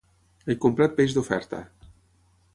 He comprat peix d'oferta